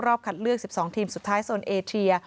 คัดเลือก๑๒ทีมสุดท้ายโซนเอเชีย